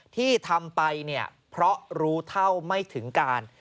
ที่ทำไปเนี่ยเพราะรู้เท่าไม่ถึงการ